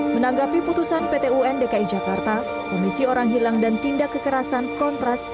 menanggapi putusan pt un dki jakarta komisi orang hilang dan tindak kekerasan kontras